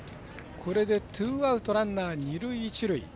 これでツーアウト、ランナー二塁、一塁。